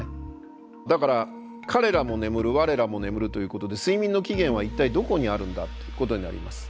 だから彼らも眠る我らも眠るということで睡眠の起源は一体どこにあるんだということになります。